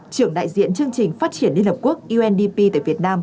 trưởng đại diện chương trình phát triển liên hợp quốc undp tại việt nam